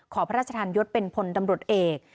ขอพระราชทานยศเป็นพลตำรวจเอก